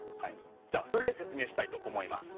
それで説明したいと思います。